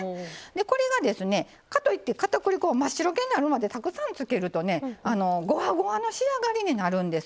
これがですねかといって片栗粉を真っ白けになるまでたくさんつけるとねごわごわの仕上がりになるんです。